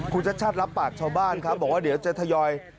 คุณชัดชาติรับปากชาวบ้านครับบอกว่าเดี๋ยวจะทยอย